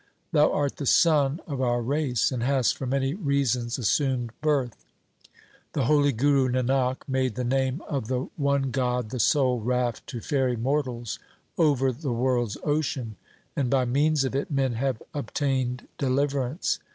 Thou art the sun of our race, and hast for many reasons assumed birth. The holy Guru Nanak made the name of the one God the sole raft to ferry mortals over the world's ocean, and by means of it men have obtained deliver ance.